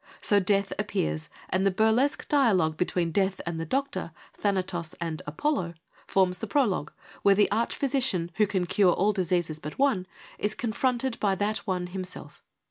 So Death appears, and the burlesque dia logue between Death and the Doctor, Thanatos and Apollo, forms the prologue, where the arch physician, who can cure all diseases but one, is confronted by that One himself.